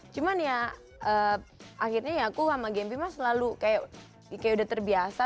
cuman ya akhirnya ya aku sama gempy mas selalu kayak udah terbiasa